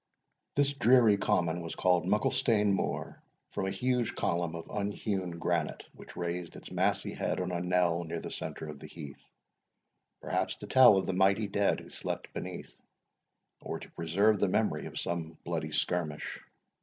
This dreary common was called Mucklestane Moor, from a huge column of unhewn granite, which raised its massy head on a knell near the centre of the heath, perhaps to tell of the mighty dead who slept beneath, or to preserve the memory of some bloody skirmish.